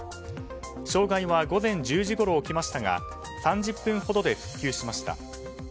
障害は午前１０時ごろ起きましたが３０分ほどで復旧しました。